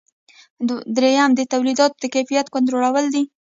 دریم د تولیداتو د کیفیت کنټرولول دي.